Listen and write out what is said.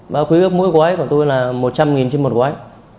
và khuyết mỗi gói của tôi là một trăm linh đồng trên một gói